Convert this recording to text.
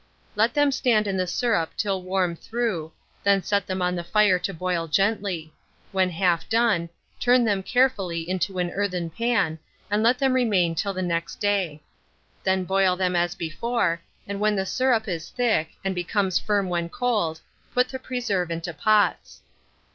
Let them stand in the syrup till warm through, then set them on the fire to boil gently; when half done, turn them carefully into an earthen pan, and let them remain till the next day; then boil them as before, and when the syrup is thick, and becomes firm when cold, put the preserve into pots.